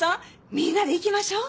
みんなで行きましょう。